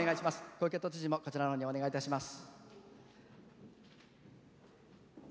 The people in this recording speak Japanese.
東京都知事もこちらのほうへお願いします。